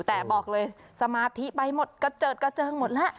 แต่บอกเลยสมาธิไปหมดกระเจิดกระเจิงหมดแล้ว